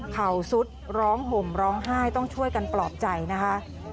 สุดร้องห่มร้องไห้ต้องช่วยกันปลอบใจนะคะ